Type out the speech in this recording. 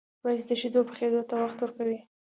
وزې د شیدو پخېدو ته وخت ورکوي